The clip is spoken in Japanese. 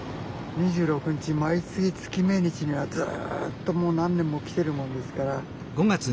２６日毎月月命日にはずっともう何年も来てるもんですから。